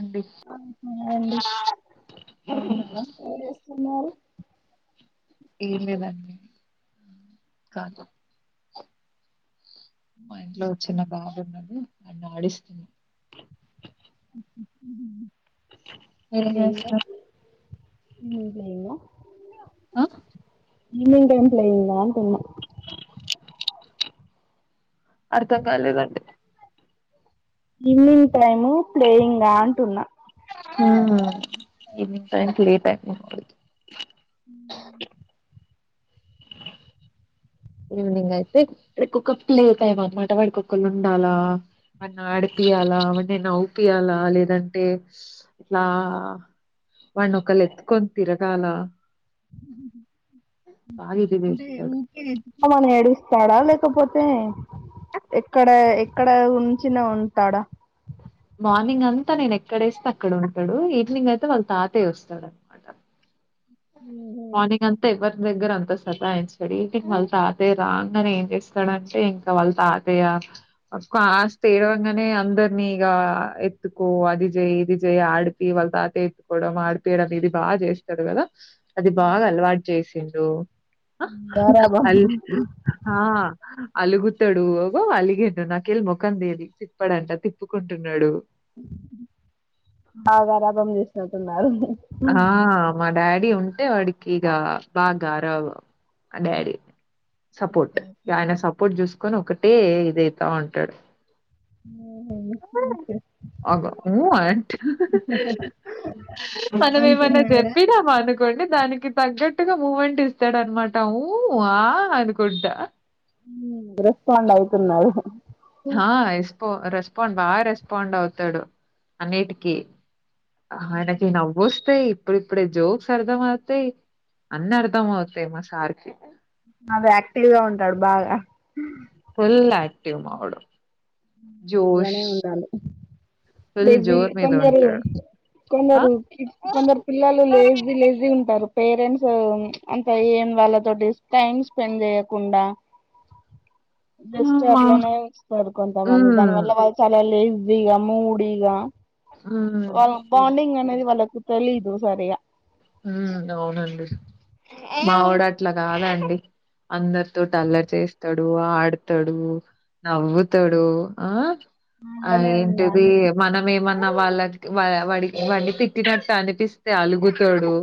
అండి ఆ ఏడి ఏస [unintelligible] ఇలేదాంన్ని కాదు మా ఇంట్లో చిన్న బాబున్నది ఆ ఆడిస్తున్నా అ ఏజస్తా ఇ లేమ ఆ ఈవనింగ్ టైం పయింగ్ంద అంటన్నా అర్థం కాల లేదండి ఈవినింగ్ టైము ప్లేయింగ్గా అంటున్నా హ ఈవనింగ్ టైంక్ లేట్ ఆయి ఉ ఈవినింగ్ అయితే రే ఒక్క ప లేతాయమన్నమాట వాడికిక్కళ్ళు ఉండాలా వాన్ని ఆడిపియాలా వాన్ని నవ్విపియాలా లేదంటే ఇట్లా వాన్ని ఒకలు ఎత్కొని తిరగాల బాగ ఏడుస్తాడు మన ఏడుస్తాడా లేకపోతే ఎక్కడ ఎ ఎక్కడ ఉంచిన ఉంటాడా మార్నింగ్ అంత నేను ఎక్కడేస్తే అక్కడ ఉంటడు ఈవినింగ్ అయితే వాళ్ళ తాతయ్య వస్తడు అన్నమాట మార్నింగ్ అంతా ఎవ్వర్ రి దగ్గర అంత సతాయించడు ఈవినింగ్ వాళ్ళ తాతయ్య రాంగనే ఏం చేస్తడంటే ఇంకా వాళ్ళ తాతయ్య ఆ ఫాస్ట్ ఏడవంగనే అందరినీ ఇక ఎత్తుకో అది చెయి ఇది చెయి ఆడిపియీ వాళ్ళ తాత ఎత్టుకోవడం ఆడిపియడం ఇది బాగా చేస్తరు కదా అది బాగా అలవాటు చేసిండు గారాబం అ అలుగుతడు అగో అలిగిండు నాకేలి ముఖం తిప్పడంట తిప్పుకుంటున్నడు బాగ గారాబం చేసినట్టున్నారు ఆ మ డాడీ ఉంటే వాడికి ఇక బాగా గారాబం ఆ డాడీ సపోర్ట్ ఇగ ఆయన సపోర్ట్ చూసుకొని ఒకటే ఇదయితా ఉంటడు ఉహు ఓకే అగో ఊ అంటా మనం ఏమన్నా అంటున్నాడా చెప్పినమనుకోండి దానికి తగ్గట్టు ట్టుగా మూమెంట్ ఇస్తడన్నమాట ఊ ఆ అనుకుంటా రెస్పాండ్ అయితున్నడు ఆ రెస్పా రెస్పాండ్ బాగా రెస్పాండ్ అవుతడు అన్నిటికీ అయినకి నవ్వొస్తే ఇప్పుడిప్పుడే జోక్స్ అర్థం అవుతయి అన్నీ అర్ధం అవుతయి మా సార్కి అదే యాక్టివ్గా ఉంటాడు బాగా ఫుల్ ఆక్టివ్ మావోడు జోష్ అలానే ఉండాలి ఫుల్ జోర్ [unintelligible] మీద కొందరు ఉంటాడు. ఆ కొందరు కిడ్స్ కొందరు పిల్లలు లేజీ లేజీ ఉంటరు పేరెంట్స్ అంత ఏం వాళ్ళతోటి టైమ్ స్పెండ్ చేయకుండా బెస్ట్ మా అట్లనే చేస్తరు కొంతమంది దాని హ్మ్ వల్ల వాళ్ళు చాలా లేజీగా మూడీగా ఉమ్ వాళ్ళ బాండింగ్ అనేది వాళ్ళ తెలీదు సరిగ్గా ఉ అవునండి మావోడు అట్ల కాదండి అందరితోటి అల్లరి చేస్తడు ఆడతడు నవ్వుతడు ఆ ఆ అలానే ఏంటిది ఉండాలి మనం ఏమన్నా వాళ్ళకి వాడి వాడిని తిట్టినట్టు అనిపిస్తే అలుగు తడు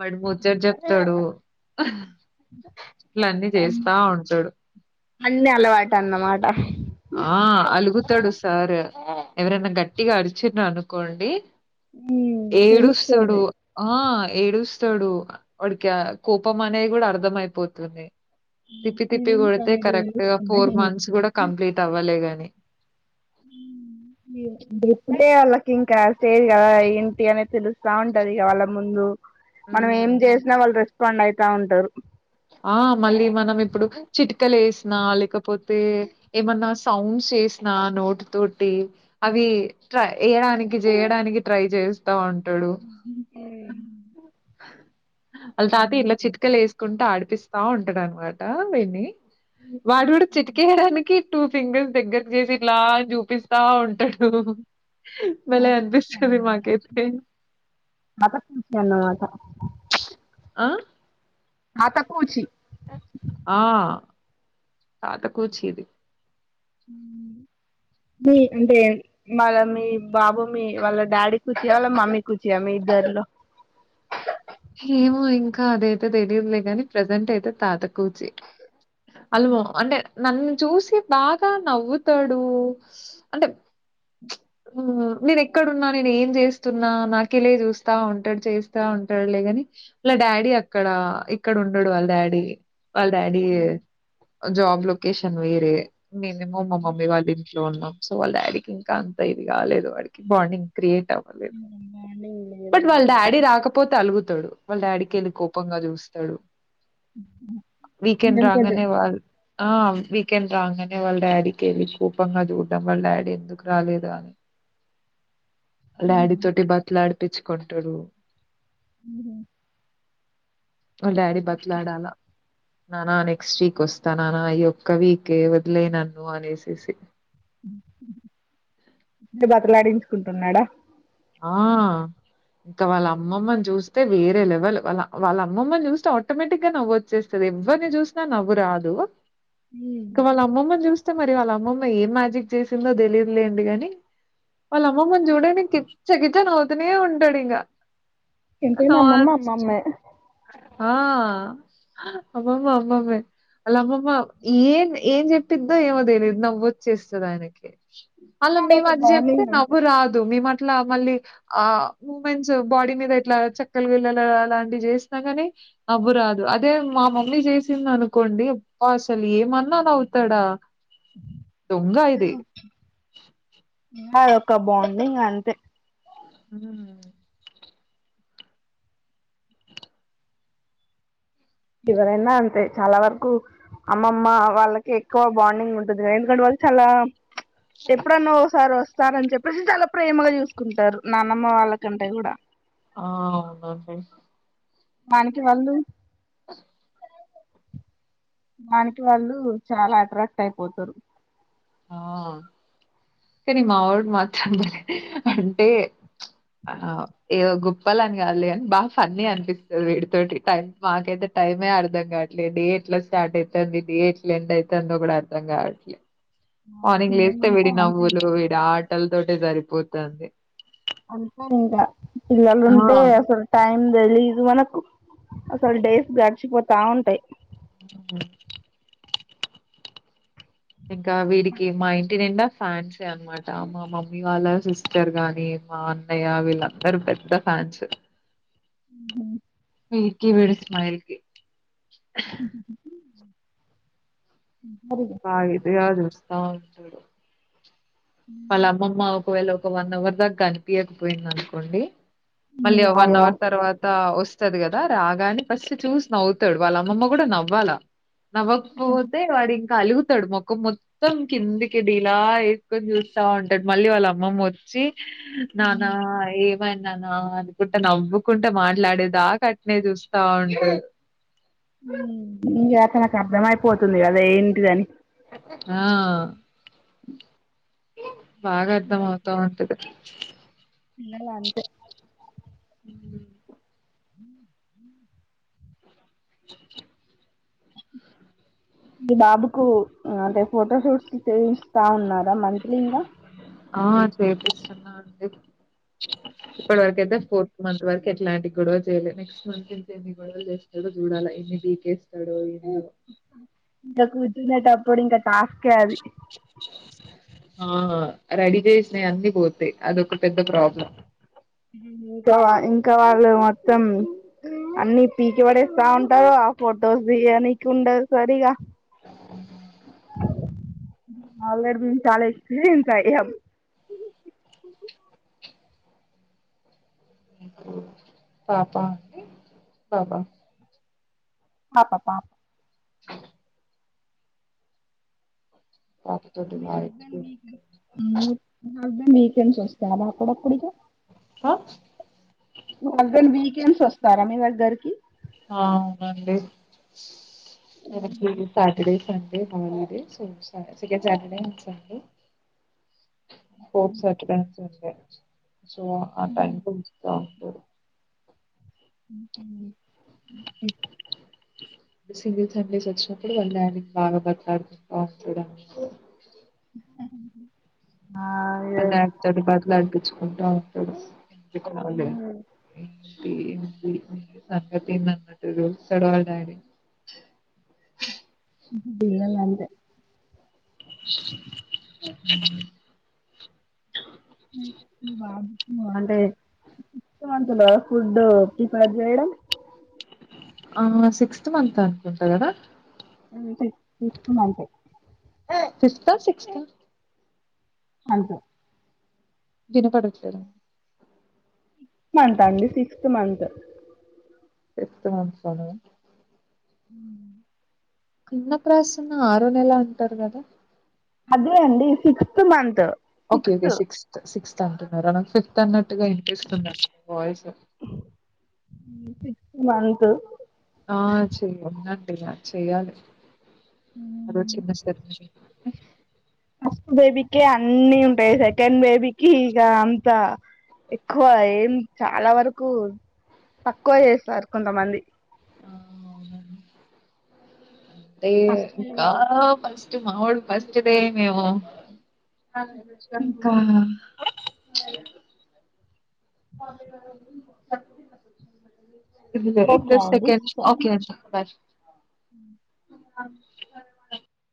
వాడు ముచ్చట చెప్తడు ఇలా అన్నీ చేస్తా ఉంటడు అన్ని అలవాటు అన్నమాట ఆ అలుగుతడు సార్ ఎవరైనా గట్టిగా అరిచిన్రు అనుకోండి ఏడుస్తడు తెలుస్తుంది ఆ ఏడుస్తడు వాడికి కోపం అనేది కూడా అర్ధం అయిపోతుంది తిప్పి తిప్పి ఫీలింగ్స్ కొడితే అనేటివి కరెక్ట్గా ఫోర్ తెలుస్తున్నాయి మంత్స్ కూడా కంప్లీట్ కాలేగాని ఇప్పుడే వాళ్ళకింకా స్టేజ్ కదా ఏంటి అనేది తెలుస్తా ఉంటది ఇక వాళ్ళ ముందు మనం ఏం హ్మ్. చేసినా వాళ్ళు రె స్పాండ్ అయితా ఉంటరు ఆ మళ్ళీ మనం ఇప్పుడు చిట్కలు వేసినా లేకపోతే ఏమన్న సౌండ్స్ చేసిన నోటు తోటి అవి వెయ్యడానికి చేయడానికి ట్రై చేస్తా ఉంట ఉంటాడు అళ్ళ తాత ఇలా చిటికెలు వేసుకుంటా ఆడిపిస్తా ఉంటాడు అనమాట వాడు కూడా చిటికేయడానికి టూ ఫింగర్స్ దగ్గర చేసి ఇట్లా అని చూపిస్తా ఉంటాడు భలే అనిపిస్తది మాకైతే అనిపిస్తది అన్నమాట ఆ తాత కూచి ఆ తాత కూచి ఉ మీ అంటే వాళ్ళ మీ బాబు మీ వాళ్ళ డాడీ కూచా మమ్మీ కూచ ఇగ మీ ఇద్దరిలో ఏమే ఇంకా అదయితే తెలియదులే ని ప్రెజెంట్ అయితే తాత కూచి కూచి అల్వ అంటే నన్ను చూసి బాగా నవ్వుతాడు అంటే నేను ఎక్కడున్నా నేను ఏం చేస్తున్నా నాకెలే చూస్తా ఉంటాడు చేస్తా ఉంటాడు లేని వాళ్ళ డాడీ అక్కడ ఇక్కడ ఉండడు వాళ్ళ డాడీ వాళ్ళ డాడీ జాబ్ లొకేషన్ వేరే మీమేమో మా మమ్మీ వాళ్ళ వాళ్ళ ఇంట్లో ఉన్నాం సో వాళ్ళ డాడీకి ఇంకా అంత ఇది కాలేదు వాడికి బాండింగ్ క్రియేట్ అవ్వలేదు బాండింగ్ బట్ వాళ్ళ లేదన్నమాట డాడీ రాకపోతే అలుగుతాడు వాళ్ళ డాడీకి వెళ్ళి కోపంగా చూస్తాడు వీకెండ్ కొంచెం కొంచెం రాంగనే వాళ్ళు ఆ వీకెండ్ రాంగ్నే వాళ్ళ డాడీకి వెళ్ళి కోపంగా చూడడం వాళ్ళ డాడీ ఎందుకు రాలేదు డాడీ తోటి బతిమిలాడించుకుంటాడు ఉ వాళ్ల డాడీ బతిమిలాడాల నానా నెక్స్ట్ వీక్ వస్తా నానా ఈ ఒక్క వీకే వదిలే నన్ను అనేసేసి ఇప్పుడే బతలాడించుకుంటున్నాడా ఆ ఇంకా వాళ్ళ అమ్మమ్మని చూస్తే వేరే లెవెల్ వాళ్ వాళ్ళ అమ్మమ్మని చూస్తే ఆటోమేటిక్ గా నవ్వు వచ్చేస్తది ఎవరిని చూసినా నవ్వు రాదు ఇంకా వాళ్ళ అమ్మమ్మని చూస్తే మరి వాళ్ళ అమ్మమ్మ ఏ మ్యాజిక్ చేసిందో తెలియదులేండి కాని వాళ్ళ అమ్మమ్మని చూడడానికి కిచ కిచ నవ్వుతూనే ఉంటాడు ఇంకా ఎంతైనా అమ్మమ్మ అమ్మమ్మే ఆ అమ్మమా అమ్మమే అలా అమ్మమ్మ ఏం ఏం చెప్పిద్దో ఏమో తెలిదు నవ్వొచ్చేస్తుంది ఆయనకి ఇక మల్ల మేము అదొక అది చెప్పితే బాండింగ్ అంతే నవ్వు రాదు మీము అట్లా మళ్ళీ ఆ మూమెంట్స్ బాడీ మీద ఎట్లా చెక్కలు వెళ్ళాగులు అలాంటివి చేసిన నవ్వు రాదు అదే మా మమ్మీ చేసింది అనుకోండి అబ అసలు ఏమన్నా నవ్వుతాడ ఆ ఇంకా బాగుంది ఇంకా అంతే ఉ ఎవరైనా అంతే చాలా వరకు అమ్మమ్మ వాళ్ళకి ఎక్కువ బాండింగ్ ఉంటుంది ఎందుకంటే వాళ్ళు వాళ్లు ఎప్పుడన్నా ఒకసారి వస్తారు కదా వస్తారని చెప్పేసి చాలా ప్రేమగా చూసుకుంటారు నాన్నమ్మ వాళ్ళకంటే కూడా ఆ అవునండి మనకి వాళ్ళు దగ్గు సౌండ్ దానికి వాళ్ళు చాలా అట్రాక్ట్ అయిపోతారు ఆ కానీ మా వాడు అందరి అంటే ఆ ఏ గుప్పలు అని కావాలి అని బాగా ఫన్నీ అనిపిస్తుంది వీటితోటి టైం మాకైతే టైమే అర్ధం కాదు డే ఎట్లా స్టార్ట్ అవుతుంది డే ఎట్లా ఎండ్ అవుతుందో కూడా అర్థం కావట్లే మార్నింగ్ పిల్లలు లేస్తే ఉంటే వడి అంతే ఇంకా నవ్వులు వడి ఆటలతోటే సరిపోతుంది అంతే ఇంకా పిల్లలు ఆ! ఉంటే అసలు టైం తెలిదు మనకు అసలు డేస్ గడిచిపోతా ఉంటాయి అ ఇంకా వీడికి మా ఇంటి నిండా ఫ్యాన్సే అనమాట మా మమ్మీ వాళ్ళ సిస్టర్ గాని మా అన్నయ్య వీళ్ళందరుూ పెద్ద ఫన్ అ విడికి విడి స్మైల కి బద అ చూస్తా ఉంటడు వాళ్ళ అమ్మమ్మ ఒకవేళ ఒక వన్ అవర్ దాకా కనిపించకపోయింది అనుకోండి మళ్ళీ వన్ అయ్యో అవర్ తర్వాత వస్త వస్తాది కదా రాగానే ఫస్ట్ చూసి నవ్వుతాడు వాళ్ళ అమ్మమ్మ కూడా నవ్వాలా నవకా పోతే వాడింగ్ కలుగుతాడు మొఖం మొత్తం కిందికి డి ఇలా ఎక్కువని చూస్త ఉంటాడు మళ్ళీ వాళ్ళ అమ్మమ్మ వచ్చి నానా ఏ అన్నా నా అనుకుంట నవ్వుకుంటే మాట్లాడేదాక అట్నే చూస్తా ఉంట ఇకా అత నాకు అర్ధమయిపోతుంది కదా ఏంటిదని ఆ బాగా అర్థం అవుతా ఉంటది ఇన్నలా అంట అ మీ బాబుకు అంటే ఫోటో షూట్స్ సేవస్తస్తా ఉన్నారా మంత్లీ ఇకా డు ఇప్పటి వరక అయితే ఫోర్త్ మంత్ వరకు ఎట్లాంటి గొడవ చేయాలి నెక్స్ట్ మంత్ నుంచి ఎన్ని గొడవలు చేస్తాడు చూడాలి బీకేస్తాడు ఇంకా కూర్చునేటప్పుడు ఇంకా టాస్కే అది ఆ రెడీ చేసినాయి అన్ని పోతాయి అదొక పెద్ద ప్రాబ్లమ్ ఇంకా ఇంకా వాళ్ళు మొత్తం అన్ని పీకి పడేస్తా ఉంటారు ఆ ఫొటోస్ అ ఎకు ఉండ సరగా ఉ మెము చాల ఎక్పీరియన్స్ పాప పాప ఆపాపాప అ పాపతోటి బాగా ఎక్స్పీరియన్స్ మీస్బడ్ హస్బెండ్ వీకెండ్స్ వస్తే అ అక్కడప్పుడిక ను్ హస్బెండ్ వీకెండ్స్ వస్తారా మీ దగ్గరికి ఆ అవునండి మనకి సాటర్డే సే స చ హ స సో ఆ టైం సింగిల్ ఫ్యామిలీస్ వచ్చినప్పుడు వాళ్ళు ఆయనకి బాగా బట్లాడుతు అ ఆ డాక్టర్ నీ బ్రతిమిలాడి పిచ్చుకుంట ఉంటది సిక్స్త్ [inaudible] [unintelligible] అంతే అ మీ బాబు వంట [unintelligible] ఫుడ్ ప్రిపేర్ చేయడం ఆ సిక్స్త్ మంత్ అనుకుంటా కదా you see sixth month fifth sixth అంతే వినపడట్లేదు సిక్స్త్ మంత్ అండి సిక్స్త్ మంత్ సిక్స్త్ మంత్ హ అన్నప్రాసన ఆరో నెల అంటారు కదా అదే అండి sixth month okay okay sixth sixth అంటున్నార నాకు ఫిఫ్త్ అన్నట్ టుగా ఇనిపిస్తుంది వాయిస్ మంత్ ఆ చెయ అన్నట్టే ఇగ చెయాలి అదొ చిన్న స్టెప్ ఫస్ట్ బేబీకే అన్ని ఉంటాయి సెకండ్ బేబీకి ఇక అంత ఎక్కువ ఏం చాలా వరకు తక్కువ చేస్తారు కొంతమంది ఆ అదే ఇంకా ఫస్ట్ మా వోడు ఫస్ట్దే నేమో [unintelligible] [unintelligible] ఓకే ఒకే బాయ్ అ [inaudible]